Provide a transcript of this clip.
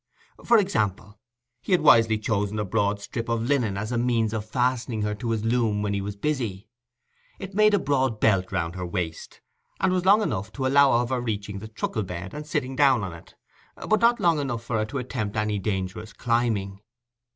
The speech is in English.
For example. He had wisely chosen a broad strip of linen as a means of fastening her to his loom when he was busy: it made a broad belt round her waist, and was long enough to allow of her reaching the truckle bed and sitting down on it, but not long enough for her to attempt any dangerous climbing.